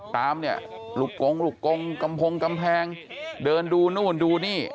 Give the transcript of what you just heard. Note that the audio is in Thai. ตามหลุกกลงหลุกกลงกำพงกำแพงเดินดูนู่นดูนี่